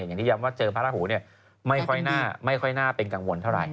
อย่างที่ย้ำว่าเจอพระราหูไม่ค่อยน่าเป็นกังวลเท่าไห